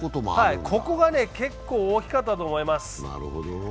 ここが結構大きかったと思います。